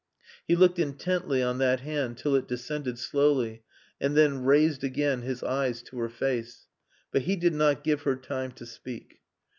He looked intently on that hand till it descended slowly, and then raised again his eyes to her face. But he did not give her time to speak.